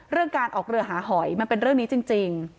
การออกเรือหาหอยมันเป็นเรื่องนี้จริง